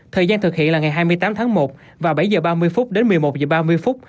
thời gian thực hiện là ngày hai mươi tám tháng một và bảy giờ ba mươi phút đến một mươi một giờ ba mươi phút